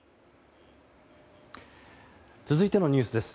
続いてのニュースです。